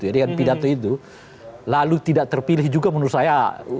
dengan pidato itu lalu tidak terpilih juga menurut saya